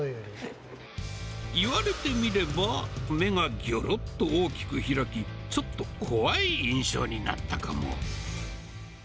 言われてみれば、目がぎょろっと大きく開き、ちょっと怖い印象になったかも。